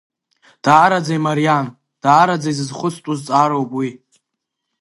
Даараӡа имариам, даараӡа изызхәыцтәу зҵаароуп ари.